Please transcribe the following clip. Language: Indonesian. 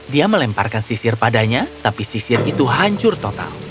dia melemparkan sisir padanya tapi sisir itu hancur total